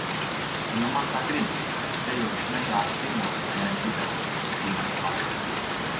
Jo man tā gribas. Dejošu mežā ar stirnām, ja ne citādi. Dīvains laiks.